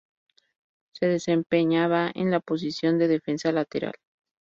Se desempeñaba en la posición de defensa lateral.